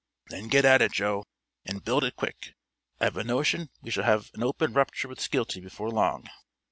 "Then get at it, Joe, and build it quick. I've a notion we shall have an open rupture with Skeelty before long."